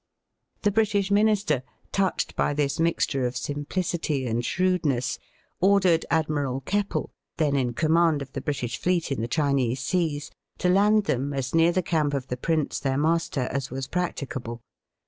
The British Minister, touched by this mixture of simplicity and shrewdness, ordered Admiral Keppel, then in command of the British fleet in the Chinese seas, to land them as near the camp of the prince their master as Was practicable.